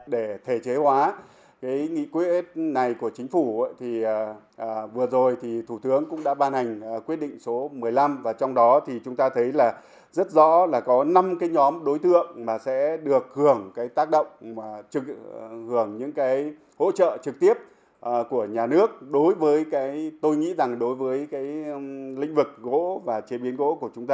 để thể chế hóa cái nghị quyết này của chính phủ thì vừa rồi thì thủ tướng cũng đã ban hành quyết định số một mươi năm và trong đó thì chúng ta thấy là rất rõ là có năm cái nhóm đối tượng mà sẽ được hưởng cái tác động và hưởng những cái hỗ trợ trực tiếp của nhà nước đối với cái tôi nghĩ rằng đối với cái lĩnh vực gỗ và chế biến gỗ